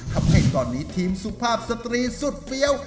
ทำให้ตอนนี้ทีมสุภาพสตรีสุดเฟี้ยว